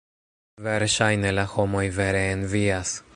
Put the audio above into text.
Verŝajne la homoj vere envias.